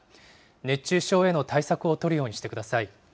熱中症への対策を取るようにしてください。